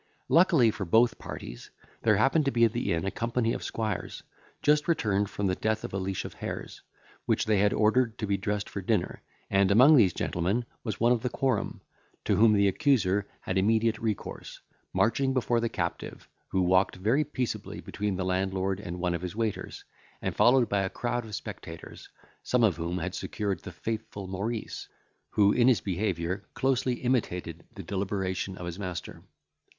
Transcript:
Luckily for both parties, there happened to be at the inn a company of squires just returned from the death of a leash of hares, which they had ordered to be dressed for dinner, and among these gentlemen was one of the quorum, to whom the accuser had immediate recourse, marching before the captive, who walked very peaceably between the landlord and one of his waiters, and followed by a crowd of spectators, some of whom had secured the faithful Maurice, who in his behaviour closely imitated the deliberation of his master.